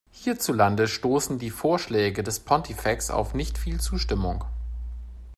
Hierzulande stoßen die Vorschläge des Pontifex auf nicht viel Zustimmung.